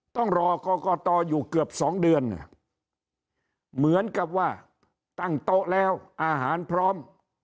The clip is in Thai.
ต้องรอกรกตอยู่เกือบ๒เดือนเหมือนกับว่าตั้งโต๊ะแล้วอาหารพร้อม